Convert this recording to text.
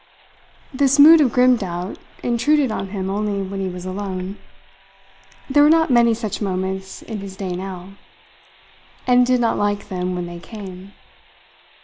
This mood of grim doubt intruded on him only when he was alone. There were not many such moments in his day now; and he did not like them when they came.